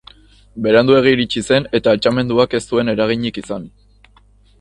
Beranduegi iritsi zen eta altxamenduak ez zuen eraginik izan.